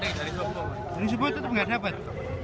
dari jepang tetap tidak dapat